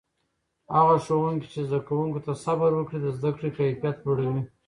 هغه ښوونکي چې زده کوونکو ته صبر وکړي، د زده کړې کیفیت لوړوي.